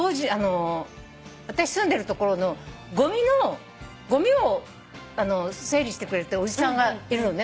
私住んでる所のごみを整理してくれてるおじさんがいるのね